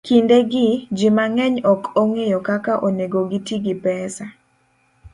Kindegi, ji mang'eny ok ong'eyo kaka onego giti gi pesa